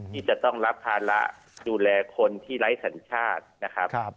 ที่จะต้องรับภาระดูแลคนที่ไร้สัญชาตินะครับ